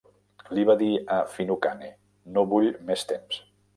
Li va dir a Finucane: no vull més temps.